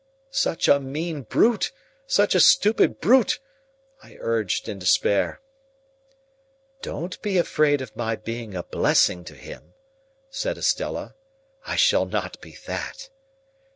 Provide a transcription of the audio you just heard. "Such a mean brute, such a stupid brute!" I urged, in despair. "Don't be afraid of my being a blessing to him," said Estella; "I shall not be that.